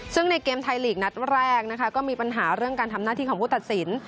ซึ่งในเกมไทยลีกนัดแรกนะคะก็มีปัญหาเรื่องการทำหน้าที่ของผู้ตัดสิน